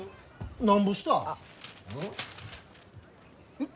えっ。